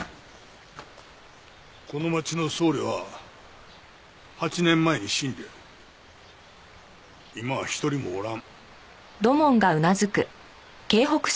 この町の僧侶は８年前に死んで今は一人もおらん。